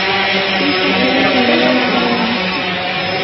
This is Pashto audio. پرېکړه کوم دلایلو سره ونیسي.